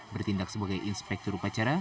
bertindak sebagai inspektur upacara